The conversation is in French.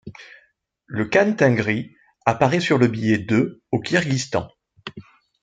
Le Khan Tengri apparaît sur le billet de au Kirghizistan.